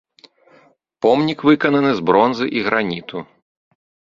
Помнік выкананы з бронзы і граніту.